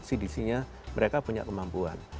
cdc nya mereka punya kemampuan